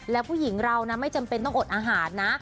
แล้วผู้หญิงเรานะไม่จำเป็นต้องอดอาหารนะ